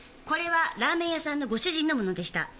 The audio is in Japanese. これはラーメン屋さんのご主人のものでした。